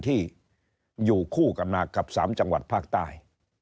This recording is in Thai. ที่อยู่คู่กันมากับ๓จังหวัดภาคใต้